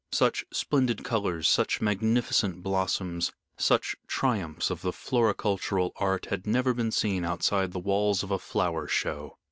Such splendid colors, such magnificent blossoms, such triumphs of the floricultural art, had never been seen outside the walls of a flower show.